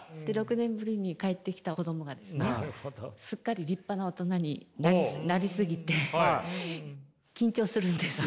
６年ぶりに帰ってきた子供がですねすっかり立派な大人になり過ぎて緊張するんです。